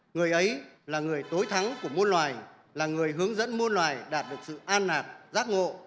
người ấy là người tối thắng của môn loài là người hướng dẫn môn loài đạt được sự an nạc giác ngộ